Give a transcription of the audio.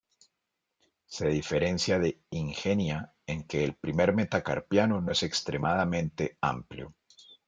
Se diferencia de "Ingenia" en que el primer metacarpiano no es extremadamente amplio.